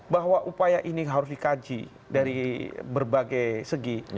bahwa upaya ini harus dikaji dari berbagai segi